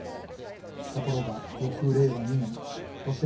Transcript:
ところが、翌令和２年。